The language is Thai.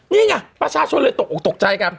นี่เนี่ยประชาชนเลยตกใจครับ